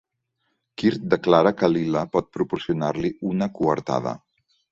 Quirt declara que Lila pot proporcionar-li una coartada.